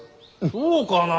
そうかな。